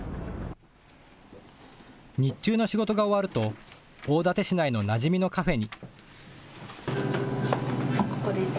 日中の仕事が終わると大館市内のなじみのカフェに。